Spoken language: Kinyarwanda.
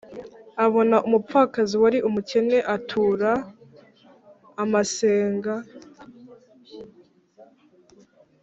Abona umupfakazi wari umukene atura amasenga